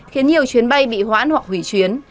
khiến nhiều chuyến bay bị hoãn hoặc hủy chuyến